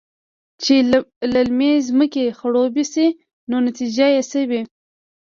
چې للمې زمکې خړوبې شي نو نتيجه يې څۀ وي؟